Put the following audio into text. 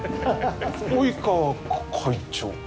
及川会長？